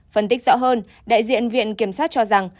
phân tích rõ hơn đại diện viện kiểm sát cho rằng